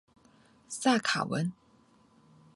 萨卡文。